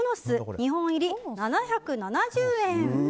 ２本入り、７７０円。